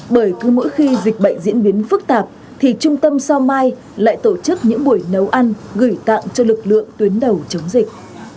bởi cứ mỗi khi dịch bệnh diễn biến phức tạp thì trung tâm sao mai lại tổ chức những buổi nấu ăn gửi tặng cho lực lượng tuyến đầu chống dịch